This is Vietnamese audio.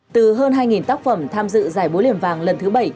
từ hơn hai tác phẩm tham dự giải bối liền vàng lần thứ bảy